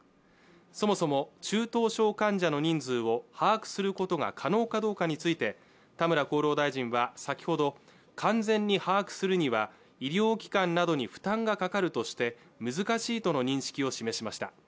そもそも中等症患者の人数を把握することが可能かどうかについて田村厚労大臣は先ほど完全に把握するには医療機関などに負担がかかるとして難しいとの認識を示しました